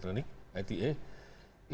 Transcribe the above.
itu merupakan alat bukti yang sangat penting